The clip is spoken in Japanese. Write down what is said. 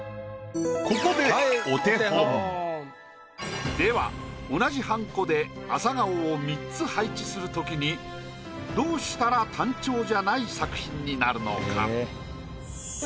ここでお手本。では同じはんこで朝顔を３つ配置する時にどうしたら単調じゃない作品になるのか？